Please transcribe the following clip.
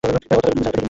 অত্যন্ত দুঃখিত স্যার।